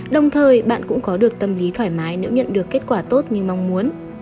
đồng thời bạn cũng có được tâm lý thoải mái nếu nhận được kết quả tốt như mong muốn